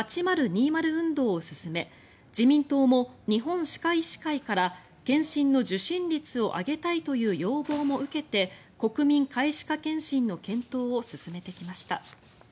運動を進め自民党も日本歯科医師会から検診の受診率を上げたいという要望も受けて国民皆歯科検診の検討を進めてきました。